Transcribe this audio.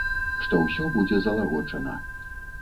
Што ўсё будзе залагоджана.